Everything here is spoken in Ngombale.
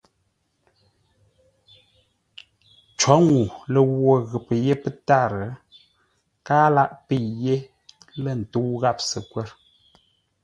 Cǒ ŋuu lə ghwo ghəpə́ yé pə́tárə́, káa láʼ pə́i yé lə̂ ntə́u gháp səkwə̂r.